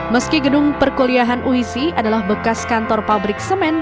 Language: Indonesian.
meski gedung perkuliahan uisi adalah bekas kantor pabrik semen